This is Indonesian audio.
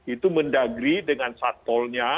itu mendagri dengan satolnya